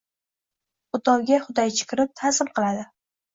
O‘tovga hudaychi kirib, ta’zim qiladi.